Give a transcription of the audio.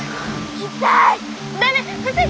痛い。